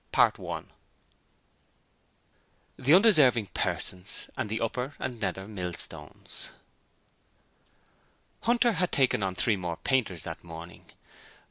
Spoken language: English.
Chapter 15 The Undeserving Persons and the Upper and Nether Millstones Hunter had taken on three more painters that morning.